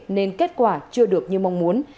nên kết quả chưa được như mong muốn